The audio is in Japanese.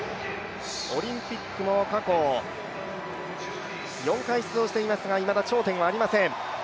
オリンピックも過去４回出場していますが、いまだ頂点はありません。